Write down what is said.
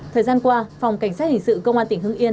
thời gian qua phòng cảnh sát hình sự công an tỉnh hưng yên